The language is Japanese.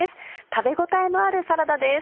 食べ応えのあるサラダです。